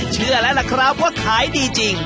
เชื่อแล้วล่ะครับว่าขายดีจริง